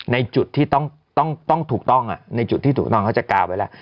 ในจุดที่ต้องถูกต้องในจุดที่ถูกต้องเขาจะกาวไว้แล้ว